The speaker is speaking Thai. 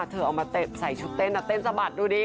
เธอเอามาใส่ชุดเต้นเต้นสะบัดดูดิ